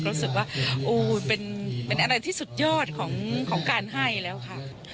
รู้สึกว่าโอ้เป็นอะไรที่สุดยอดของการให้แล้วค่ะ